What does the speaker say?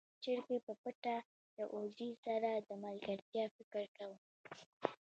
چرګې په پټه له وزې سره د ملګرتيا فکر کاوه.